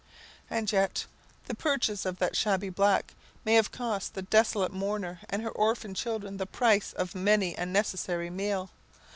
And yet, the purchase of that shabby black may have cost the desolate mourner and her orphan children the price of many a necessary meal.